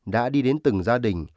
đã đi đến từng gia đình